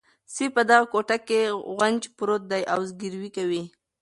سپي په دغه کوټه کې غونج پروت دی او زګیروی کوي.